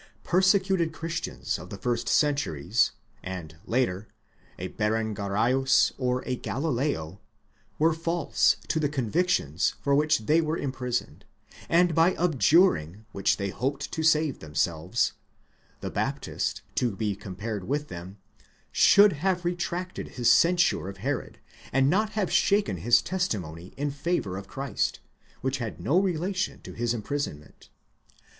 Persecuted Christians of the first centuries, and, later, a . Berengarius or a Galileo, were false to the convictions for which they were imprisoned, and by abjuring which they hoped to save themselves : the Baptist, to be compared with them, should have retracted his censure of Herod, and not have shaken his testimony in favour of Christ, which had no relation to his imprisonment.